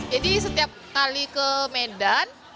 jadi setiap kali ke medan